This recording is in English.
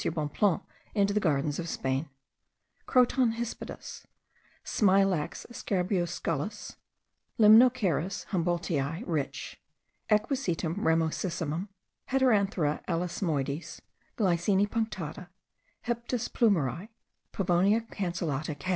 Bonpland into the gardens of Spain), Croton hispidus, Smilax scabriusculus, Limnocharis Humboldti, Rich., Equisetum ramosissimum, Heteranthera alismoides, Glycine punctata, Hyptis Plumeri, Pavonia cancellata, Cav.